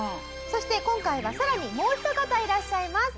そして今回はさらにもうひと方いらっしゃいます。